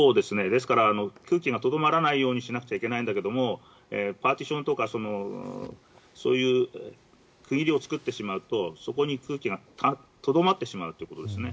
ですから空気がとどまらないようにしなくちゃいけないんだけどもパーティションとかそういう区切りを作ってしまうとそこに空気がとどまってしまうということですね。